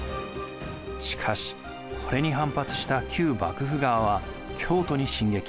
しかしこれに反発した旧幕府側は京都に進撃。